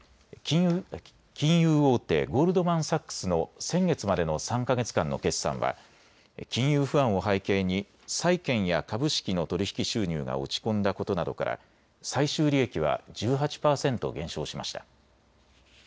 金融大手、ゴールドマン・サックスの先月までの３か月間の決算は金融不安を背景に債券や株式の取り引き収入が落ちこんだことなどから最終利益は１８％減少しました。